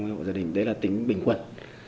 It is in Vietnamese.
một trăm năm mươi hộ gia đình đấy là tính bình quân